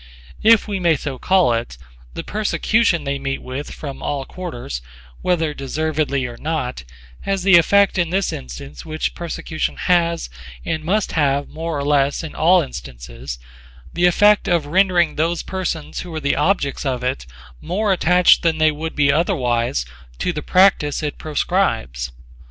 If we may so call it, the persecution they meet with from all quarters, whether deservedly or not, has the effect in this instance which persecution has and must have more or less in all instances, the effect of rendering those persons who are the objects of it more attached than they would otherwise be to the practise it proscribes.